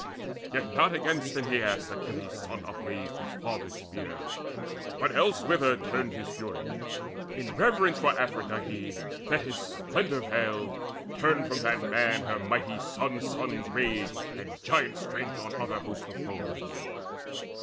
Yet not against Aeneas Achilles' son upraised his father's spear, But elsewhither turned his fury: in reverence For Aphrodite, Thetis splendour veiled Turned from that man her mighty son's son's rage And giant strength on other hosts of foes.